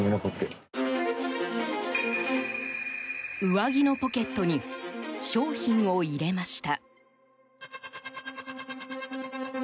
上着のポケットに商品を入れました。